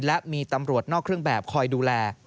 และมีตำรวจนอกเครื่องแบบคอยดูแล